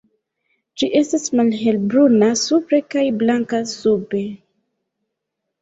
Ĝi estas malhelbruna supre kaj blanka sube.